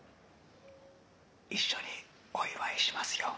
一緒にお祝いしますよ。